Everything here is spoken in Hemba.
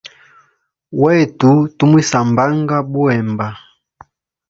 Wetu tumwisambanga buhemba.